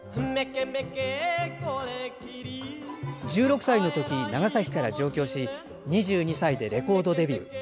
１６歳の時、長崎から上京し２２歳でレコードデビュー。